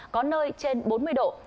có nơi trên bốn mươi độ